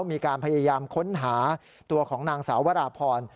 มีการพยายามค้นหาตัวของนางสาววราพร